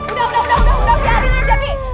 udah udah udah biarin aja bi